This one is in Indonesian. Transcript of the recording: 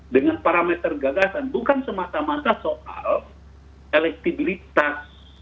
dengan parameter gagasan bukan semata mata soal elektabilitas